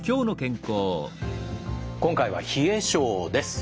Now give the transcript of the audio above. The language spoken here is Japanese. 今回は冷え症です。